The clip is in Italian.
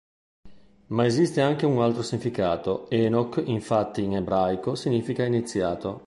Ma esiste anche un altro significato: Enoch, infatti, in ebraico significa "iniziato".